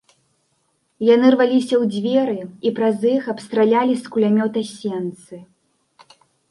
Яны рваліся ў дзверы і праз іх абстралялі з кулямёта сенцы.